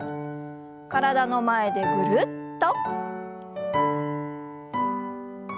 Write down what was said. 体の前でぐるっと。